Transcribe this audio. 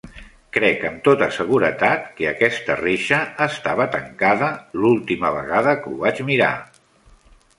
Crec amb tota seguretat que aquesta reixa estava tancada l'última vegada que ho vaig mirar.